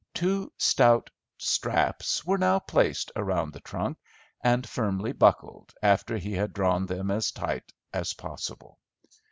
Two stout straps were now placed around the trunk and firmly buckled after he had drawn them as tight as possible.